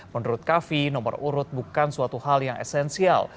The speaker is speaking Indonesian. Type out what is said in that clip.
menurut kavi nomor urut bukan suatu hal yang esensial